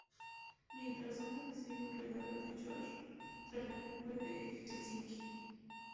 Mientras, Donna recibe un regalo de Josh tras la cumbre de Helsinki.